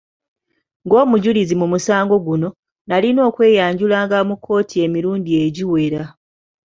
Ng'omujulizi mu musango guno, nalina okweyanjulanga mu kkooti emirundi egiwera.